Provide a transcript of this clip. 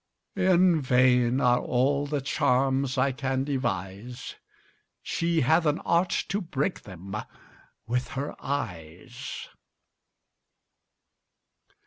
In vain are all the charms I can devise; She hath an art to break them with her eyes.